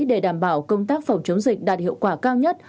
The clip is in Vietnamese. để đảm bảo công tác phòng chống dịch đạt hiệu quả cao nhất